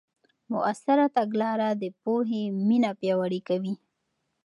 مؤثره تګلاره د پوهې مینه پیاوړې کوي.